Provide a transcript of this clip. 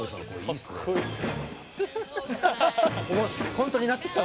コントになってきた。